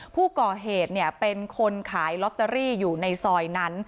ผู้ก่อเหตุเป็นคนขายลอตเตอรี่อยู่ในซอยนั้น